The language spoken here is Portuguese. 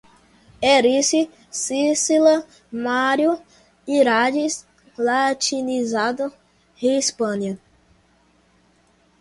Érice, Sicília, Mário, Híraces, latinizado, Hispânia